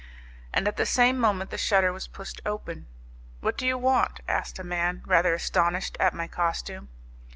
And at the same moment the shutter was pushed open. "What do you want?" asked a man, rather astonished at my costume.